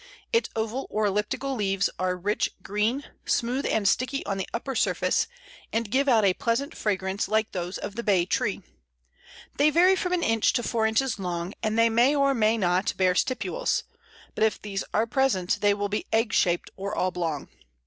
Its oval or elliptical leaves are rich green, smooth and sticky on the upper surface, and give out a pleasant fragrance like those of the Bay tree; they vary from an inch to four inches long, and they may or may not bear stipules, but if these are present they will be egg shaped or oblong.